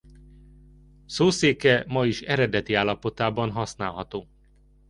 Szószéke ma is eredeti állapotában használható.